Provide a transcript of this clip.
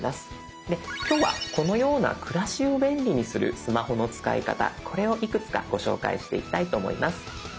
で今日はこのような暮らしを便利にするスマホの使い方これをいくつかご紹介していきたいと思います。